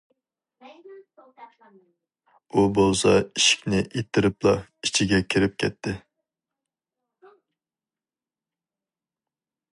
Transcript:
ئۇ بولسا ئىشىكنى ئىتتىرىپلا، ئىچىگە كىرىپ كەتتى.